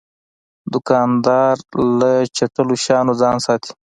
دوکاندار له چټلو شیانو ځان ساتي.